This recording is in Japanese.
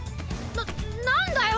ななんだよ